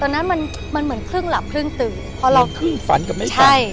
ตอนนั้นมันมันเหมือนคึงหลับคึ่งตึกมันคือฟันกับไอ้ข้าใช่